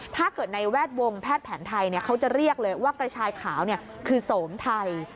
ถ้าเกิดในแวดวงแพทย์แผนไทยเขาจะเรียกเลยว่ากระชายขาวคือโสมไทย